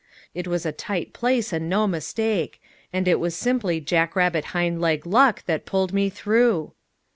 It was a tight place and no mistake, and it was simply jack rabbit hindleg luck that pulled me through!